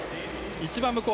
一番向こう。